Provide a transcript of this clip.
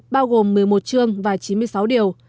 bao gồm một mươi một chương và chín mươi sáu điều